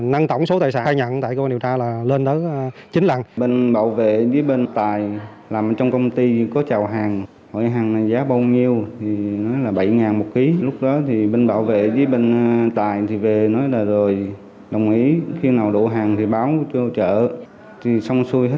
năng tổng số tài sản khai nhận tại cơ quan điều tra là lên tới